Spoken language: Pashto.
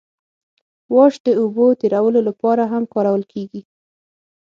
واش د اوبو تیرولو لپاره هم کارول کیږي